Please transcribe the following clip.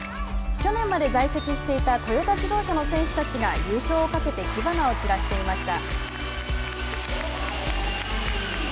去年まで在籍していたトヨタ自動車の選手たちが優勝を懸けて火花を散らしていました。